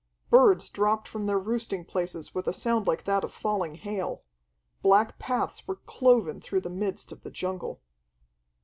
Birds dropped from their roosting places with a sound like that of falling hail. Black paths were cloven through the midst of the jungle.